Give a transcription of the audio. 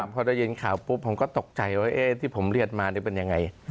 พอได้ยินข่าวปุ๊บผมก็ตกใจว่าที่ผมเรียนมาเป็นยังไง